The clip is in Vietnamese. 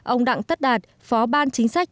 ông đặng tất đạt phó ban chính sách